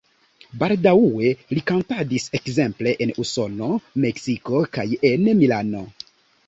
Baldaŭe li kantadis ekzemple en Usono, Meksiko kaj en Milano.